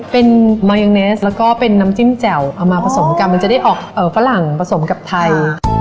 เป็นมายังเนสแล้วก็เป็นน้ำจิ้มแจ่วเอามาผสมกันมันจะได้ออกฝรั่งผสมกับไทย